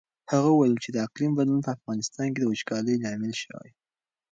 هغه وویل چې د اقلیم بدلون په افغانستان کې د وچکالۍ لامل شوی.